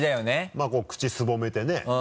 まぁこう口すぼめてね。